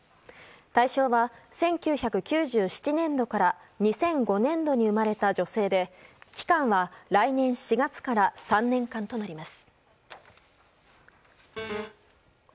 対象は１９９７年度から２００５年度に生まれた女性で期間は来年４月から３年間となります。